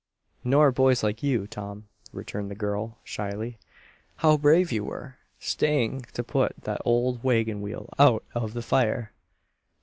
"Nor boys like you, Tom," returned the girl, shyly. "How brave you were, staying to pull that old wagon wheel out of the fire."